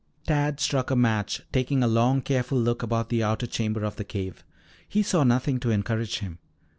Tad struck a match, taking a long, careful look about the outer chamber of the cave. He saw nothing to encourage him.